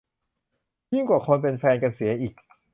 ยิ่งกว่าคนเป็นแฟนกันเสียอีก